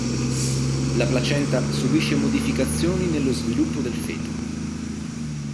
La placenta subisce modificazioni nello sviluppo del feto.